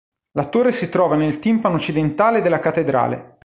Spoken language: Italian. La torre si trova nel timpano occidentale della cattedrale.